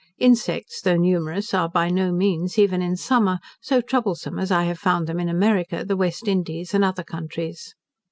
Insects, though numerous, are by no means, even in summer, so troublesome as I have found them in America, the West Indies, and other countries.